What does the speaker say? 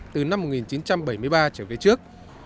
từ năm một nghìn chín trăm bảy mươi ba trở về trước